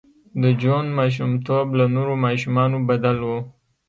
د جون ماشومتوب له نورو ماشومانو بدل و